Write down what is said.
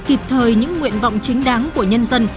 kịp thời những nguyện vọng chính đáng của nhân dân